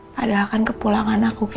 padahal kan ke pulangan aku ke